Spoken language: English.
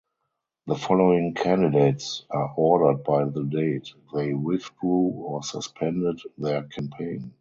The following candidates are ordered by the date they withdrew or suspended their campaign.